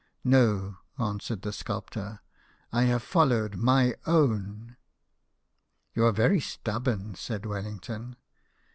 " No," answered the sculptor, " I have followed my own." " You are very stubborn," said Wellington.